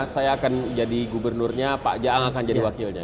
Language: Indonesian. saya akan jadi gubernurnya pak jaang akan jadi wakilnya